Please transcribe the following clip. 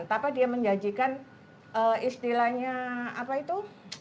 tapi dia menjanjikan istilahnya apa itu